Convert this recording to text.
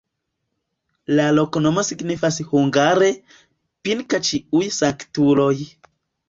La loknomo signifas hungare: Pinka-Ĉiuj Sanktuloj.